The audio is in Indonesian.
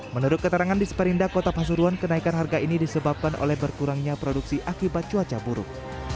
menurut keterangan disperinda kota pasuruan kenaikan harga ini disebabkan oleh berkurangnya produksi akibat cuaca buruk